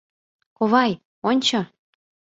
Ковай, ончо!